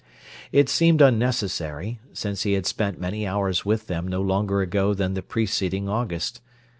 It seemed unnecessary, since he had spent many hours with them no longer ago than the preceding August.